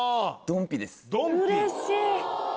うれしい！